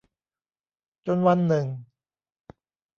จนวันหนึ่ง